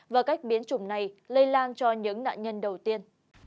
và cách biến chủng này lây lan cho những nạn nhân đầu tiên